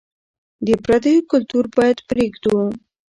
د پرديو کلتور بايد پرېږدو.